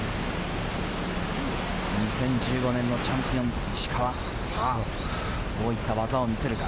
２０１５年のチャンピオン・石川、どういった技を見せるか。